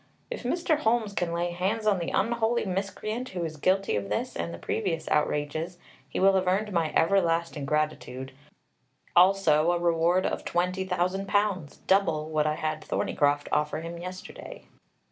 If Mr. Holmes can lay hands on the unholy miscreant who is guilty of this and the previous outrages, he will have earned my everlasting gratitude, also a reward of twenty thousand pounds, double what I had Thorneycroft offer him yesterday."